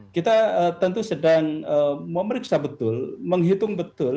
kita tentu sedang memeriksa betul menghitung betul